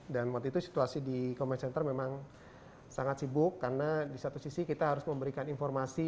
dan waktu itu situasi di comment center memang sangat sibuk karena di satu sisi kita harus memberikan informasi